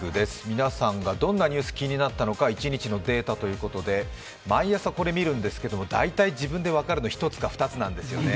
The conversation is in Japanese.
皆さんがどんなニュース気になったのか一日のデータということで毎朝これを見るんですけど、大体、自分で分かるの１つか２つなんですよね。